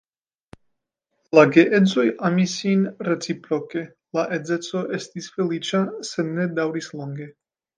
La geedzoj amis sin reciproke, la edzeco estis feliĉa, sed ne daŭris longe.